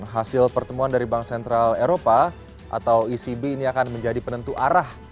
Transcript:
hasil pertemuan dari bank sentral eropa atau ecb ini akan menjadi penentu arah